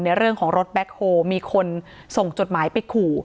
เรื่องของรถแบ็คโฮมีคนส่งจดหมายไปขู่